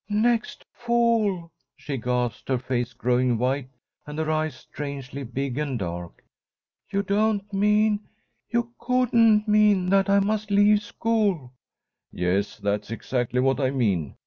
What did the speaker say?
"Next fall!" she gasped, her face growing white and her eyes strangely big and dark. "You don't mean you couldn't mean that I must leave school." "Yes, that's exactly what I mean.